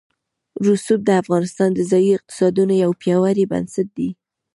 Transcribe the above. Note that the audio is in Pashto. رسوب د افغانستان د ځایي اقتصادونو یو پیاوړی بنسټ دی.